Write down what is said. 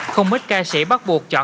không ít ca sĩ bắt buộc chọn